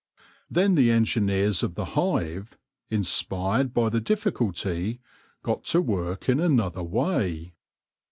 Then the engineers of the hive, inspired by the difficulty, got to work in another way.